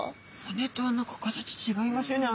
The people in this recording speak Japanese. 骨とは何か形違いますよね